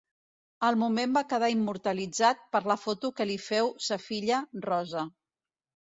El moment va quedar immortalitzat per la foto que li féu sa filla Rosa.